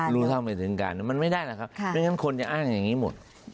รู้เท่าไม่ถึงกันมันไม่ได้หรอกครับไม่งั้นคนจะอ้างอย่างนี้หมด